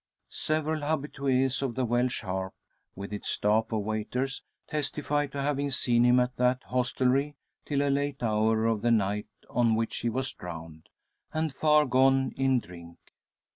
Several habitues of the Welsh Harp; with its staff of waiters, testified to having seen him at that hostelry till a late hour of the night on which he was drowned, and far gone in drink.